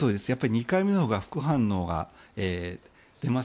２回目のほうが副反応が出ます。